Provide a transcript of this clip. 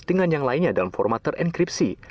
dengan yang lainnya dalam format terenkripsi